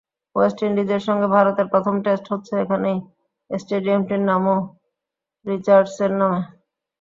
West ইন্ডিজের সঙ্গে ভারতের প্রথম টেস্ট হচ্ছে এখানেই, স্টেডিয়ামটির নামও রিচার্ডসের নামে।